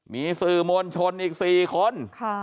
มีสื่อมวลชนอีก๔คน